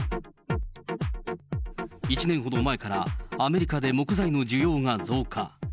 １年ほど前から、アメリカで木材の需要が増加。